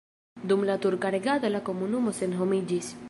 Dum la turka regado la komunumo senhomiĝis.